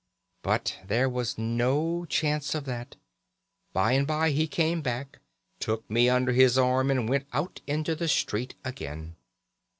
But there was no chance of that; by and by he came back, took me under his arm and went out into the street again.